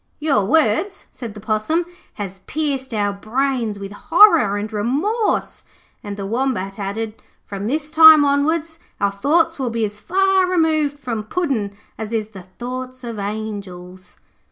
'Your words,' said the Possum, 'has pierced our brains with horror and remorse'; and the Wombat added: 'From this time onwards our thoughts will be as far removed from Puddin' as is the thoughts of angels.'